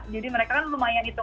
jadi mereka kan lumayan itung